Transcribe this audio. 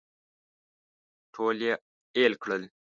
ټول یې اېل کړل.